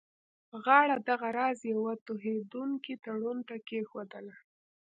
غاړه دغه راز یوه توهینونکي تړون ته کښېښودله.